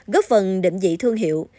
góp phần định vị thương hiệu